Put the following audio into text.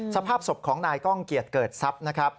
สภาพศพของนายก้องเกียจเกิดทรัพย์นะครับ